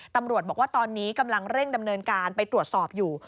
ตำรวจบอกว่าตอนนี้กำลังเร่งดำเนินการไปตรวจสอบอยู่